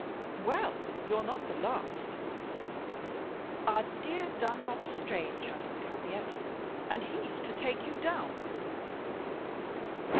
"Well, you're not the last," said her mother. "Our dear Dunlop Strange hasn't come yet, and he's to take you down."